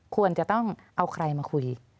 ควรจะต้องเอาใครมาคุย